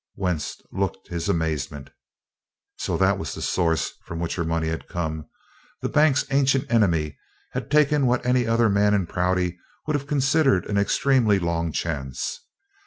Wentz looked his amazement. So that was the source from which her money had come! The bank's ancient enemy had taken what any other man in Prouty would have considered an extremely long chance.